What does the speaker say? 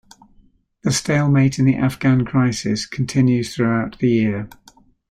The stalemate in the Afghan crisis continues throughout the year.